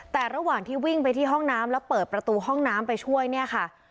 แต่ระหว่างที่วิ่งไปที่ห้องน้ำแล้วเปิดประตูห้องน้ำไปช่วยเนี่ยค่ะ